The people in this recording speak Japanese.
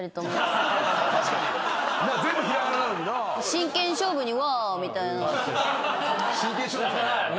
「真剣勝負」にはみたいな。